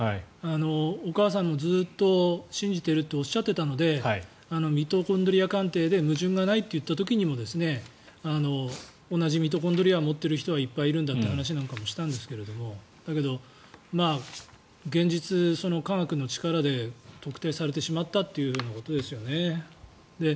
お母さんもずっと信じているとおっしゃっていたのでミトコンドリア鑑定で矛盾がないといった時も同じミトコンドリアを持っている人はいっぱいいるんだという話もしたんですがだけど現実、科学の力で特定されてしまったということですよね。